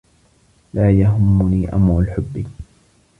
لا يهمّني أمر الحب.